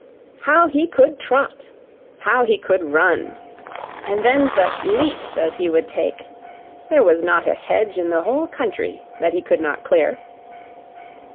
How he could trot! how he could run! and then such leaps as he would take there was not a hedge in the whole country that he could not clear.